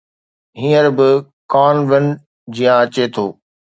هينئر به ڪانءُ وڻ جيان اچي ٿو